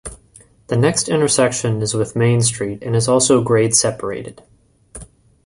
The next intersection is with Main Street and is also grade-separated.